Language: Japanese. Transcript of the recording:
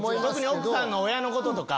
奥さんの親のこととか。